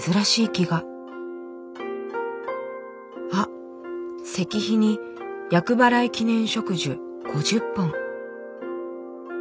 あっ石碑に厄払い記念植樹５０本。